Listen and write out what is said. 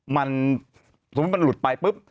มันสมมุติมันหลุดไปปุ๊บ